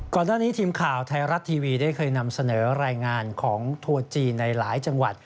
ก่อนหน้านี้ทีมข่าวไทยรัฐทีวีได้เคยนำเสนอรายงานของทัวร์จีนในหลายจังหวัด